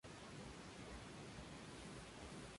El personaje principal del juego es un zorro.